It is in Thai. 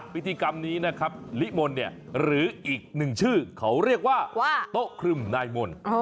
พิธีกรรมนี้นะครับลิมนต์เนี่ยหรืออีกหนึ่งชื่อเขาเรียกว่าโต๊ะครึมนายมนต์